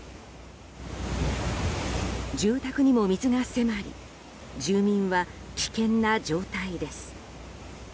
住宅にも水が迫り住民は危険な状態です。